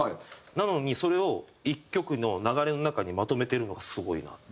なのにそれを一曲の流れの中にまとめてるのがすごいなって。